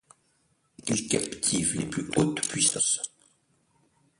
Il captive les plus hautes puissances.